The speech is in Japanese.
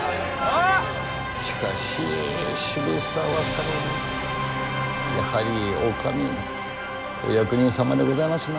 しかし渋沢様もやはりお上のお役人様でございますな。